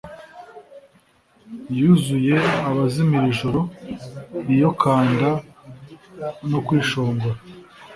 Yuzuye abazimu iri joro iyo kanda no kwishongora